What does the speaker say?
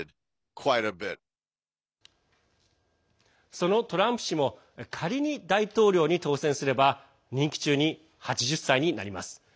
そのトランプ氏も仮に大統領に当選すれば任期中に８０歳になります。